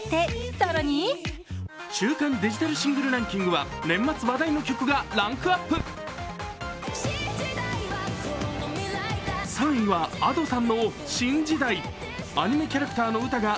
更に週間デジタルシングルランキングは年末、話題の曲がランクアップ鈴木福さん